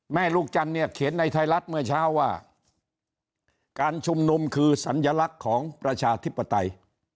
ลูกจันทร์เนี่ยเขียนในไทยรัฐเมื่อเช้าว่าการชุมนุมคือสัญลักษณ์ของประชาธิปไตย